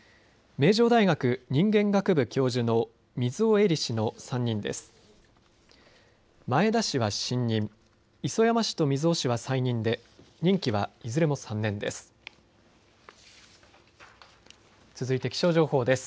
名城大学人間学部教授の水尾衣里氏の３人です。